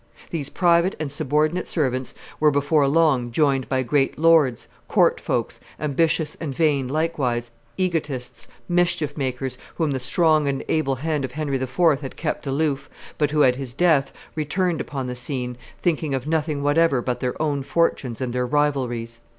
These private and subordinate servants were before long joined by great lords, court folks, ambitious and vain likewise, egotists, mischief makers, whom the strong and able hand of Henry IV. had kept aloof, but who, at his death, returned upon the scene, thinking of nothing whatever but their own fortunes and their rivalries.